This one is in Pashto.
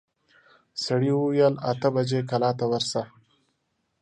سړي وويل اته بجې کلا ته ورسه.